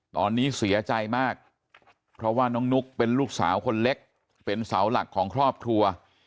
ตอนนี้เสียใจมากเพราะว่าน้องนุ๊กเป็นลูกสาวคนเล็กเป็นเสาหลักของครอบครัว